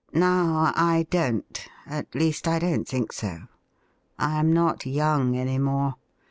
Now I don't— at least, I don't think so. I am not young any more.